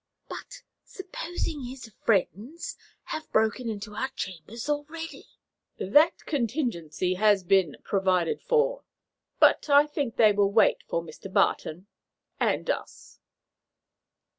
"But supposing his friends have broken into our chambers already?" "That contingency has been provided for; but I think they will wait for Mr. Barton and us."